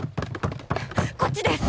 こっちです！